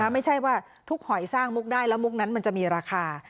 ไม่ใช่ว่าทุกหอยสร้างมุกได้แล้วมุกนั้นมันจะมีราคา